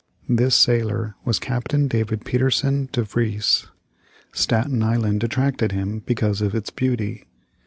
This sailor was Captain David Pietersen De Vries. Staten Island attracted him because of its beauty.